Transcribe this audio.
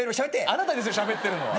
あなたですよしゃべってるのは。